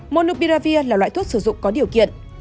monopiravir là loại thuốc sử dụng có điều kiện